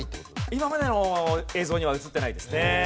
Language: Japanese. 今までの映像には映ってないですね。